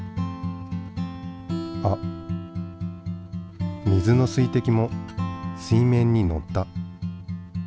あっ水の水滴も水面にのった。